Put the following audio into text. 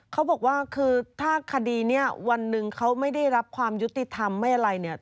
เขาบอกว่าคือถ้าคดีเนี่ยวันหนึ่งเขาไม่ได้รับความยุติธรรมไม่อะไรเนี่ย